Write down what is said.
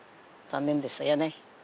残念ですよね。